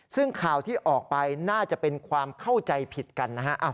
ซึ่งข่าวที่ออกไปน่าจะเป็นความเข้าใจผิดกันนะฮะ